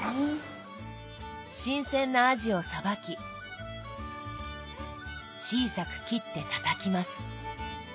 新鮮なあじをさばき小さく切ってたたきます。